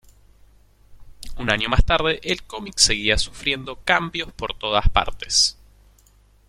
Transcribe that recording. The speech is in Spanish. Un año más tarde, el cómic seguía sufriendo cambios por todas partes.